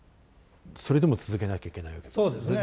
それでも続けなきゃいけないわけですよね？